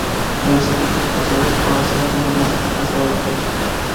De los equipos sucesores, Croacia ha sido el más exitoso a la fecha.